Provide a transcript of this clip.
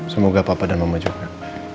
semoga papa dan mama juga